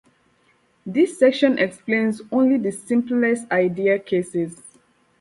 This section explains only the simplest ideal cases.